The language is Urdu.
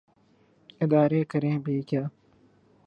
ادارے کریں بھی کیا۔